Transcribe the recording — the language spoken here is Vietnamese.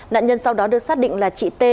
nạn nhân sau đó được xác định là chị t